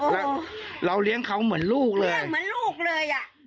แล้วเราเลี้ยงเขาเหมือนลูกเลยเหมือนลูกเลยอ่ะ